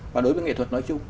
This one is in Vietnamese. và đối với nghệ thuật nói chung